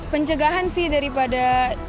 pencegahan sih daripada